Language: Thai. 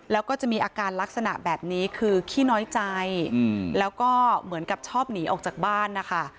แล้วก็จะมีอาการลักษณะแบบนี้คือขี้น้อยใจแล้วก็เหมือนกับชอบหนีออกจากบ้านนะคะ